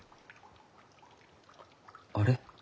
あれ？